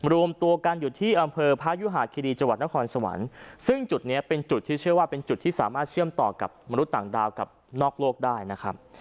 รวมตัวกันอยู่ที่อำเภอพระยุหาคิรีจังหวัดนครสวรรค์ซึ่งจุดนี้เป็นจุดที่เชื่อว่าเป็นจุดที่สามารถเชื่อมต่อกับมนุษย์ต่างดาวกับนอกโลกได้นะครับ